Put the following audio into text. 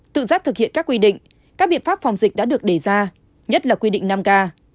tự giác thực hiện các quy định các biện pháp phòng dịch đã được đề ra nhất là quy định năm k